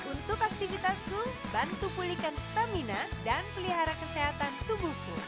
untuk aktivitasku bantu pulihkan stamina dan pelihara kesehatan tubuhku